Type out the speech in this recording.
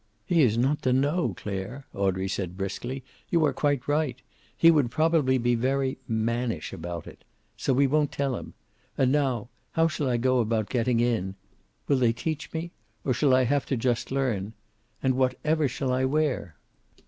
"He is not to know, Clare," Audrey said briskly. "You are quite right. He would probably be very mannish about it. So we won't tell him. And now, how shall I go about getting in? Will they teach me, or shall I have to lust learn? And whatever shall I wear?"